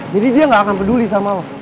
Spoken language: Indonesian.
jadi dia gak akan peduli sama lo